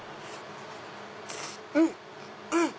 うん！